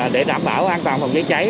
để đảm bảo an toàn phòng cháy cháy